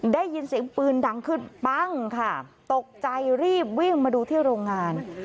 ได้ยินเสียงปืนดังขึ้นปั้งค่ะตกใจรีบวิ่งมาดูที่โรงงาน